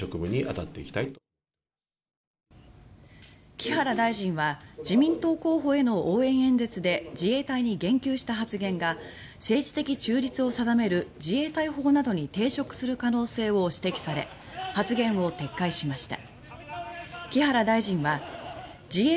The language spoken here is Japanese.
木原大臣は自民党候補への応援演説で自衛隊に言及した発言が政治的中立を定める自衛隊法などに抵触する可能性を指摘され発言を撤回しました。